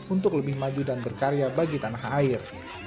untuk lebih maju dan berkarya bagi tanah air